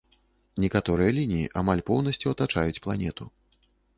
Некаторыя лініі амаль поўнасцю атачаюць планету.